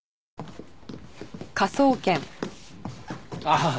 ああ。